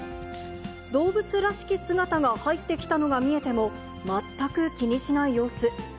動物らしき姿が入ってきたのが見えても、全く気にしない様子。